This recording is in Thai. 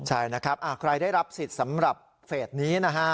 ใช่นะครับใครได้รับสิทธิ์สำหรับเฟสนี้นะฮะ